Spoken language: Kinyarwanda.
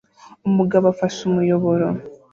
Umugabo afashe umuyoboro